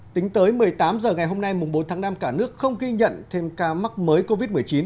tính tới một mươi tám h ngày hôm nay bốn tháng năm cả nước không ghi nhận thêm ca mắc mới covid một mươi chín